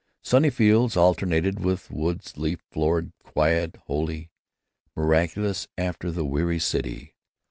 Sunny fields alternated with woods leaf floored, quiet, holy—miraculous after the weary city.